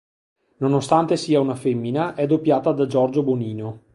Nonostante sia una femmina, è doppiata da Giorgio Bonino.